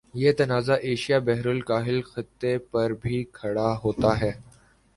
یہ تنازع ایشیا بحرالکاہل خطے پر بھی کھڑا ہوتا ہے